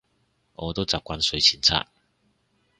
我都習慣睡前刷